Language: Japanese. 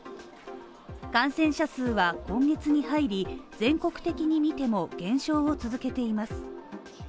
感染者数は今月に入り、全国的に見ても減少を続けています